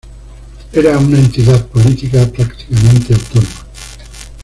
Era una entidad política prácticamente autónoma.